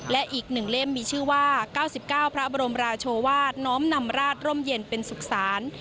และอีก๑เล่มมีชื่อว่า๙๙พระบรมราชวาสน้อมนำราชร่มเย็นเป็นสุขศาล